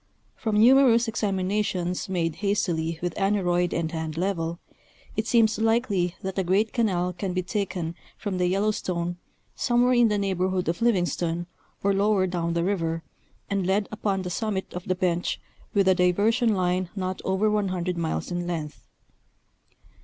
From numerous examinations made hastily with aneroid and hand level, it seems likely that a great canal can be taken from the Yellowstone, somewhere in the neighborhood of Livingston, or lower down the river, and led upon the summit of the bench with a diversion line not over 100 miles in length.